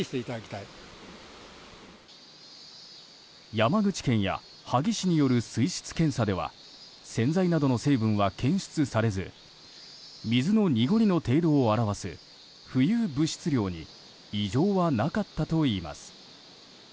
山口県や萩市による水質検査では洗剤などの成分は検出されず水の濁りの程度を表す浮遊物質量に異常はなかったといいます。